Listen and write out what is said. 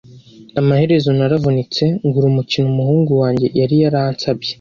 Amaherezo naravunitse ngura umukino umuhungu wanjye yari yaransabye.